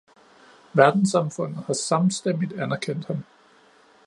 Verdenssamfundet har samstemmigt anerkendt ham.